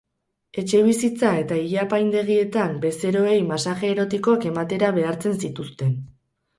Etxebizitza eta ile-apaindegietan bezeroei masaje erotikoak ematera behartzen zituzten.